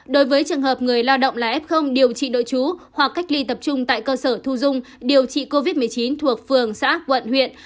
đối với trường hợp người lao động là f điều trị đội trú hoặc cách ly tập trung tại cơ sở thu dung điều trị covid một mươi chín thuộc phường xã quận huyện